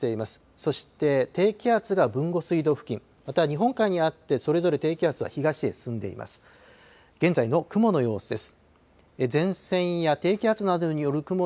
そして、低気圧が豊後水道付近、また日本海にあって、それぞれ低気圧は東へ進んでいます。